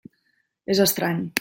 És estrany.